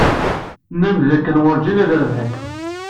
Nnan-d dakken werǧin ad rebḥen.